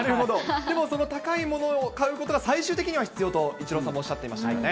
でもその高いものを買うことが、最終的には必要と、イチローさんもおっしゃっていましたからね。